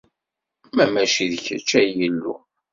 Ma mačči d kečč, ay Illu.